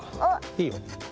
いいよ。